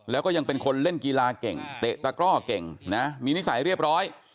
แล้วก็ยังเป็นคนเล่นกีฬาเก่งเตะตะกร่อเก่งนะมีนิสัยเรียบร้อย